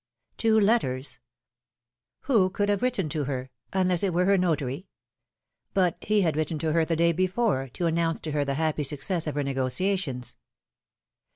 WO letters ! Who could have written to her — unless L it were her notary? But he had written her the day before, to announce to her the happy success of her negotiations.